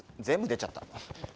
全部出ちゃった。